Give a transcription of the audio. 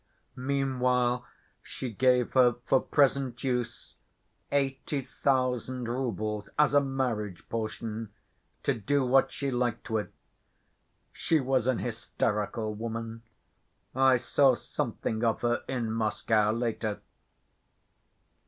Meanwhile she gave her, for present use, eighty thousand roubles, as a marriage portion, to do what she liked with. She was an hysterical woman. I saw something of her in Moscow, later.